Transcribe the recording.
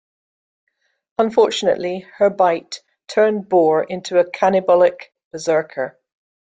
Unfortunately her bite turned Boar into a cannibalic Berserker.